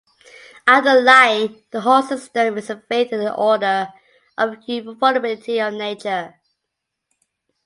Underlying the whole system is a faith in the order and uniformity of nature.